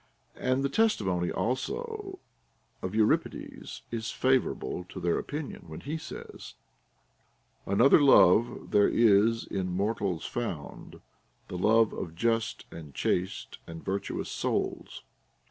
And the testimony also of Euripides is favorable to their opinion, when he says, — Another love there is in mortals found ; The love of just and chaste and virtuous souls.